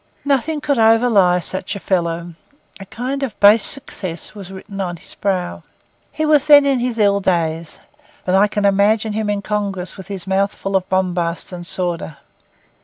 Nothing could overlie such a fellow; a kind of base success was written on his brow. He was then in his ill days; but I can imagine him in Congress with his mouth full of bombast and sawder.